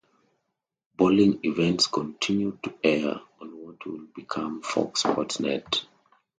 Bowling events continued to air on what would become Fox Sports Net.